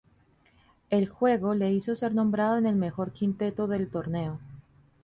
Su juego le hizo ser nombrado en el mejor quinteto del torneo.